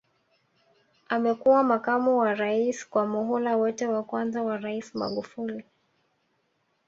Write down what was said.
Amekuwa makamu wa Rais kwa muhula wote wa kwanza wa Rais Magufuli